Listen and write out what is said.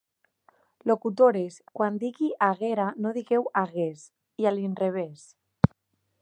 Locutores, quan digui 'haguera' no digueu 'hagués', i a l'inrevès.